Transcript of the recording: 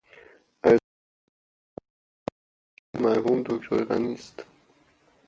ارزش آن کتاب بیشتر به خاطر حواشی مرحوم دکتر غنی است.